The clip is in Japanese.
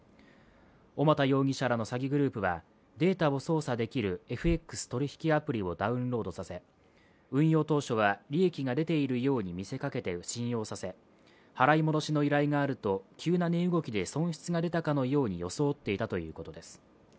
小俣容疑者らの詐欺グループはデータを操作できるＦＸ取引アプリをダウンロードさせ運用当初は利益が出ているように見せかけて信用させ払い戻しの依頼があると急な値動きで損失が出たかのように装っていたとのことです。